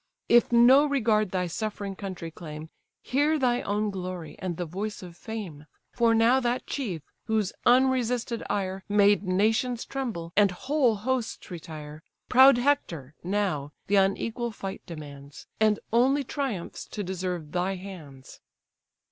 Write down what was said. If no regard thy suffering country claim, Hear thy own glory, and the voice of fame: For now that chief, whose unresisted ire Made nations tremble, and whole hosts retire, Proud Hector, now, the unequal fight demands, And only triumphs to deserve thy hands."